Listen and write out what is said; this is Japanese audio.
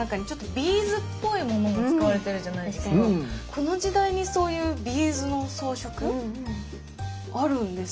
この時代にそういうビーズの装飾？あるんですね。